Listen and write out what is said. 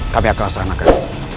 kami akan usahakan